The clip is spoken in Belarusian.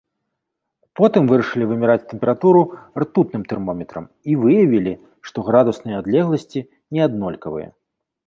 Потым вырашылі вымераць тэмпературу ртутным тэрмометрам і выявілі, што градусныя адлегласці не аднолькавыя.